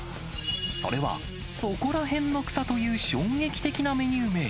それは、そこらへんの草という衝撃的なメニュー名。